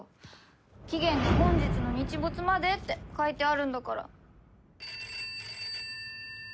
期限が「本日の日没まで」って書いてあるんだから。